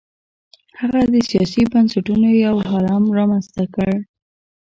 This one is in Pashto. هغه د سیاسي بنسټونو یو هرم رامنځته کړل.